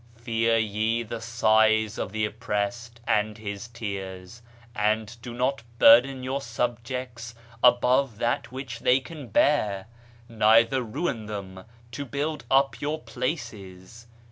Fear ye the sighs of the oppressed and his tears, and do not burden your subjects above that which they can bear, neither ruin them to build up your places.